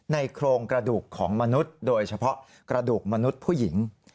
โครงกระดูกของมนุษย์โดยเฉพาะกระดูกมนุษย์ผู้หญิง